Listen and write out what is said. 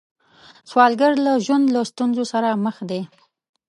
سوالګر د ژوند له ستونزو سره مخ دی